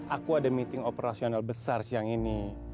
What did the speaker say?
aku ada meeting operasional besar siang ini